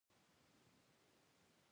ملت ته د حاکمیت د حق سپارل وشو.